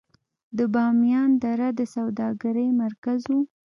د بامیان دره د سوداګرۍ مرکز و